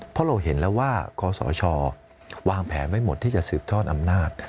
เพราะเราเห็นแล้วว่าคศวางแผนไว้หมดที่จะสืบทอดอำนาจ